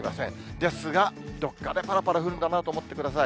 ですが、どっかでぱらぱら降るんだなと思ってください。